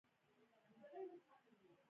دا جګړه د دولت پر ماتې تمامه شوه.